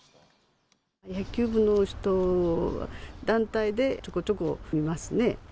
野球部の人は、団体でちょこちょこ見ますね。